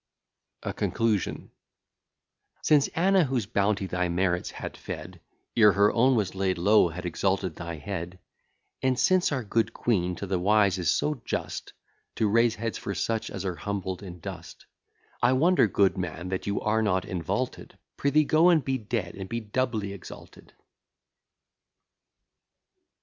A CONCLUSION DRAWN FROM THE ABOVE EPIGRAMS, AND SENT TO THE DRAPIER Since Anna, whose bounty thy merits had fed, Ere her own was laid low, had exalted thy head: And since our good queen to the wise is so just, To raise heads for such as are humbled in dust, I wonder, good man, that you are not envaulted; Prithee go, and be dead, and be doubly exalted.